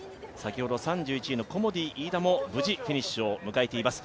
３１位のコモディイイダも無事、フィニッシュを迎えています。